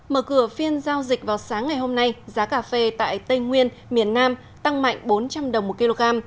mở cửa phiên giao dịch vào sáng ngày hôm nay giá cà phê tại tây nguyên miền nam tăng mạnh bốn trăm linh đồng một kg